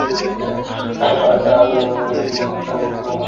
তারা আন্দোলনের নামে তিন মাস ধরে সাধারণ মানুষের ওপর অমানুষিক নির্যাতন করেছে।